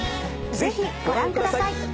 ぜひご覧ください。